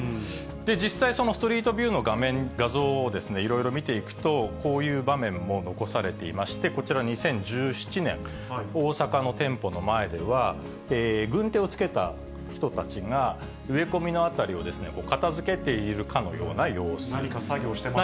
実際、そのストリートビューの画面、画像をいろいろ見ていくと、こういう場面も残されていまして、こちら２０１７年、大阪の店舗の前では、軍手をつけた人たちが植え込みの辺りを片づけているかのような様何か作業してますね。